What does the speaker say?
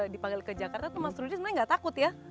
dipanggil ke jakarta itu mas rudi sebenarnya enggak takut ya